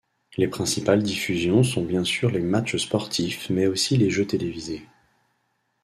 Les principales diffusions sont bien sûr les matchs sportifs mais aussi les jeux télévisés.